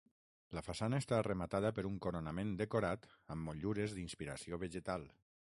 La façana està rematada per un coronament decorat amb motllures d'inspiració vegetal.